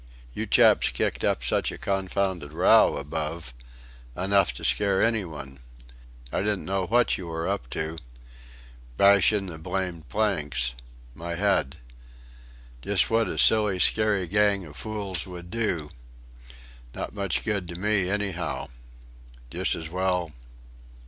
"You chaps kicked up such a confounded row above.... Enough to scare any one.... I didn't know what you were up to.... Bash in the blamed planks... my head.... Just what a silly, scary gang of fools would do.... Not much good to me anyhow.... Just as well...